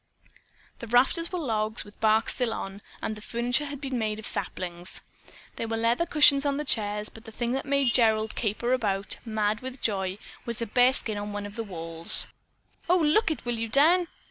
The rafters were logs with the bark still on, and the furniture had been made of saplings. There were leather cushions in the chairs, but the thing that made Gerald caper about, mad with joy, was a bearskin on one of the walls. "Oh, look it, will you, Dan?